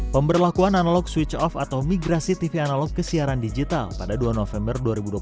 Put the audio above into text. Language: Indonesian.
pemberlakuan analog switch off atau migrasi tv analog ke siaran digital pada dua november dua ribu dua puluh